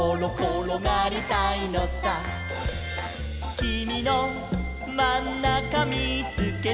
「きみのまんなかみーつけた」